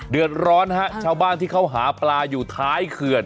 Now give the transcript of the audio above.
เดือดร้อนฮะชาวบ้านที่เขาหาปลาอยู่ท้ายเขื่อน